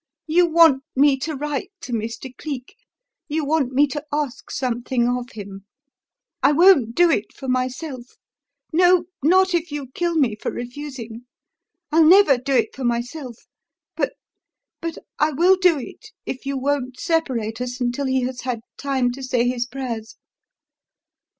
You want me to write to Mr. Cleek; you want me to ask something of him. I won't do it for myself no, not if you kill me for refusing. I'll never do it for myself; but but I will do it if you won't separate us until he has had time to say his prayers."